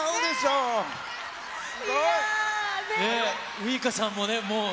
ウイカさんもね、もう。